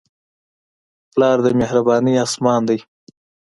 پلار د مهربانۍ اسمان دی.